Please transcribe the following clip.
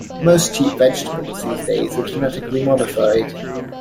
Most cheap vegetables these days are genetically modified.